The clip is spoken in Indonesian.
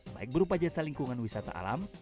baik berupa jasa lingkungan wisata alam